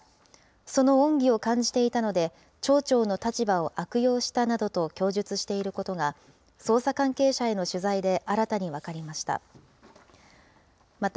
その恩義を感じていたので、町長の立場を悪用したなどと供述していることが、捜査関係者への取材で新たに分かりました。